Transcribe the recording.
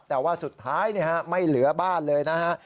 แต่ว่าสุดท้ายไม่เหลือบ้านเลยนะฮะ